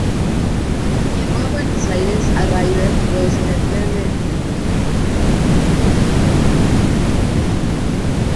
Llegó a Buenos Aires a River procedente de Tigre.